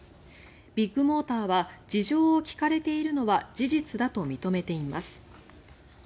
ビッグモーターは事情を聴かれているのは事実だと認めています。